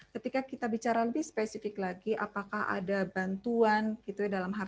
ketika kita bicara lebih spesifik lagi apakah ada bantuan gitu ya dalam hal ini